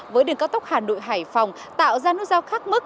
với đường cao tốc hà nội hải phòng tạo ra nút giao khác mức